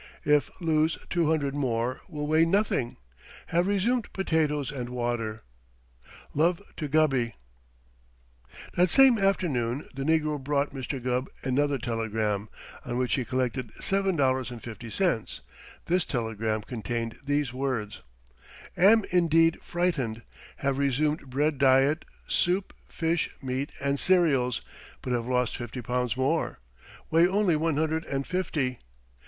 If lose two hundred more will weigh nothing. Have resumed potatoes and water. Love to Gubby. [Illustration: A MAN WHO LOOKED LIKE NAPOLEON BONAPARTE GONE TO SEED] That same afternoon the negro brought Mr. Gubb another telegram, on which he collected seven dollars and fifty cents. This telegram contained these words: Am indeed frightened. Have resumed bread diet, soup, fish, meat, and cereals, but have lost fifty pounds more. Weigh only one hundred and fifty.